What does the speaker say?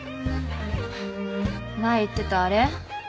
はぁ前言ってたあれ？